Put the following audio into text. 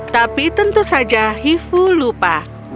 tapi tentu saja hifu lupa